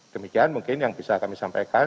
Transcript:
demikian mungkin yang bisa kami sampaikan